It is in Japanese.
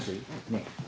ねえ。